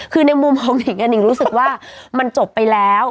คือในมุมของหนิงหิ่งรู้สึกว่ามันจบไปแล้ว